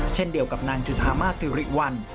เช่นเดียวกับนางจุธามาสิริวัล